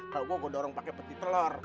kalau gue gue dorong pakai peti telur